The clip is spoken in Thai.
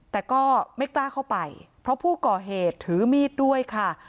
แต่ก็ไม่กล้าเข้าไปเพราะผู้ก่อเหตุถือมีดด้วยค่ะ